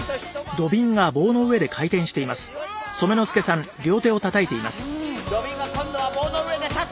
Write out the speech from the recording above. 土瓶が今度は棒の上で立つ。